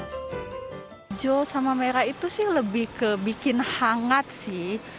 hijau sama merah itu sih lebih ke bikin hangat sih